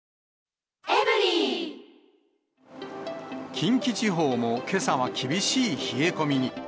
近畿地方もけさは厳しい冷え込みに。